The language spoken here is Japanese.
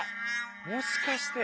もしかして。